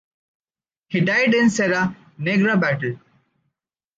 He died in the Serra Negra battle.